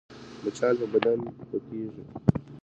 مچان په بدن پکېږي